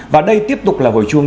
và đây tiếp tục là hồi chuông